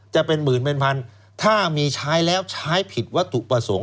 จะเป็นหมื่นเป็นพันถ้ามีใช้แล้วใช้ผิดวัตถุประสงค์